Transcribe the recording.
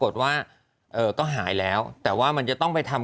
ทำแบบรากฟันใช่ไหม